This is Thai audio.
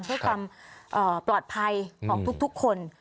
เพื่อความปลอดภัยของทุกคน